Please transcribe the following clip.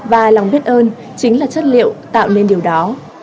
và lòng biết ơn chính là chất liệu tạo nên điều đó